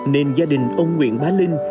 nên gia đình ông nguyễn bá linh